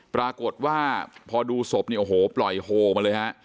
ปรากฏว่าพอดูศพเนี่ยโอ้โหปล่อยโฮมาเลยฮะ